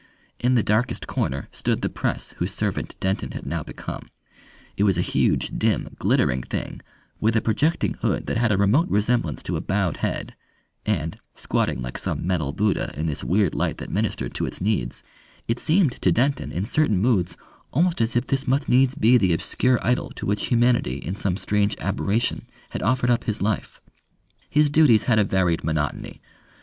In the darkest corner stood the press whose servant Denton had now become: it was a huge, dim, glittering thing with a projecting hood that had a remote resemblance to a bowed head, and, squatting like some metal Buddha in this weird light that ministered to its needs, it seemed to Denton in certain moods almost as if this must needs be the obscure idol to which humanity in some strange aberration had offered up his life. His duties had a varied monotony.